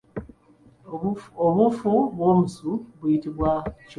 Obuufu bw’omusu buyitibwa kyole.